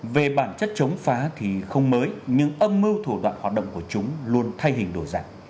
về bản chất chống phá thì không mới nhưng âm mưu thủ đoạn hoạt động của chúng luôn thay hình đồ giả